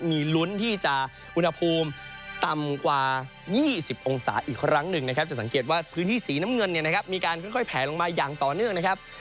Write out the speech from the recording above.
มีลุ้นที่จะอุณหภูมิต่ำกว่า๒๐องศาอีกครั้งหนึ่งนะครับจะสังเกตว่าพื้นที่สีน้ำเงินเนี่ยนะครับมีการค่อยแผลลงมาอย่างต่อเนื่องนะครับ